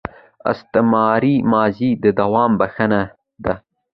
استمراري ماضي د دوام نخښه ده.